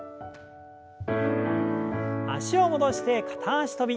脚を戻して片脚跳び。